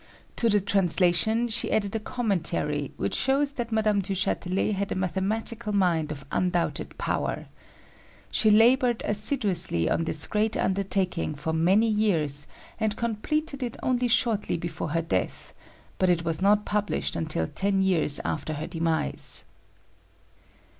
To the translation she added a commentary, which shows that Mme. du Châtelet had a mathematical mind of undoubted power. She labored assiduously on this great undertaking for many years and completed it only shortly before her death; but it was not published until ten years after her demise.